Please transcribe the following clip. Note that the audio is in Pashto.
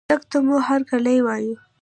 رتګ ته مو هرکلى وايو